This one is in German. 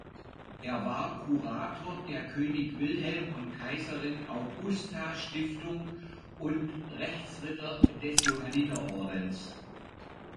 Er war Kurator der "König-Wilhelm- und Kaiserin-Augusta-Stiftung" und Rechtsritter des Johanniterordens.